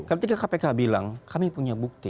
ketika kpk bilang kami punya bukti